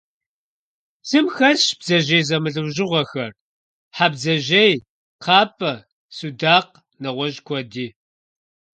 Псым хэсщ бдзэжьей зэмылӀэужьыгъуэхэр: хьэбдзэжъей, кхъапӀэ, судакъ, нэгъуэщӀ куэди.